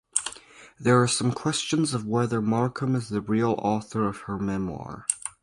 There are some questions of whether Markham is the real author of her memoir.